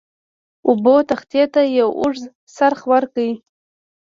اوبو تختې ته یو اوږد څرخ ورکړ.